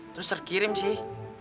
terus terkirim sih